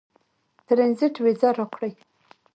ټرنزیټ وېزه راکړي.